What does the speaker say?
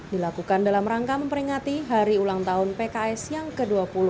dilakukan dalam rangka memperingati hari ulang tahun pks yang ke dua puluh